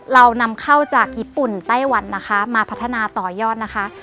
เรานำเข้าจากญิปุ่นไต้หวันมาพัฒนาต่อย่อน